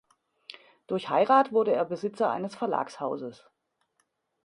Durch Heirat wurde er Besitzer eines Verlagshauses.